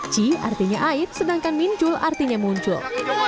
ci artinya aid sedangkan mincul artinya muncul